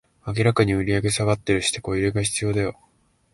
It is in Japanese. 明らかに売上下がってるし、テコ入れが必要だよ